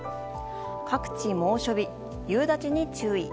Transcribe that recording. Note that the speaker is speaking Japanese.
各地猛暑日、夕立に注意。